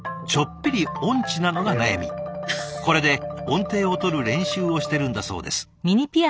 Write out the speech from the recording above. これで音程をとる練習をしてるんだそうです。